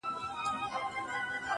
حتمآ به ټول ورباندي وسوځيږي,